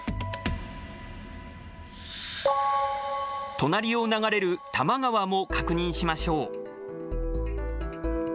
隣を流れる多摩川も確認しましょう。